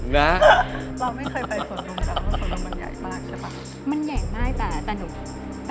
เราไม่เคยไปสวนลุงแหละสวนลุงมันใหญ่มากใช่ปะ